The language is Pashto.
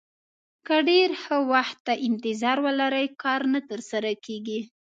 که ډېر ښه وخت ته انتظار ولرئ کار نه ترسره کېږي.